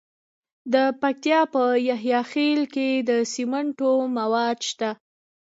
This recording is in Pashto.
د پکتیکا په یحیی خیل کې د سمنټو مواد شته.